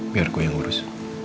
biar gue yang urus